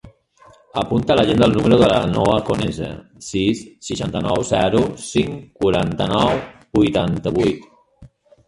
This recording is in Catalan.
Apunta a l'agenda el número de la Noha Conesa: sis, seixanta-nou, zero, cinc, quaranta-nou, vuitanta-vuit.